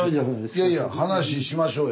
いやいや話しましょうよ